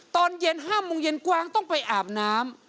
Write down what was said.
ตอนเย็น๕โมงเย็นกวางต้องไปอาบน้ำ